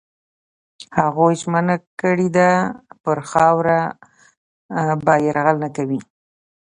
هغوی ژمنه کړې ده پر خاوره به یرغل نه کوي.